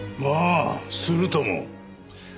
ああするとも。